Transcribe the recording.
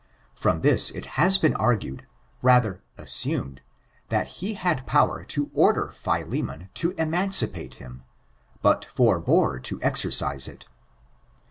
From this it has been argued — rather assumed, that he had power to order Philemon to emancipate him, but forbore to exercise it.